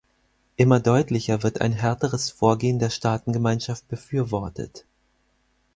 Immer deutlicher wird ein härteres Vorgehen der Staatengemeinschaft befürwortet.